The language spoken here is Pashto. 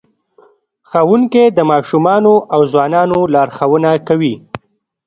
ښوونکی د ماشومانو او ځوانانو لارښوونه کوي.